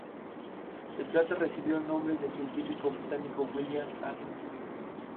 El cráter recibió el nombre del científico británico William Allen Miller.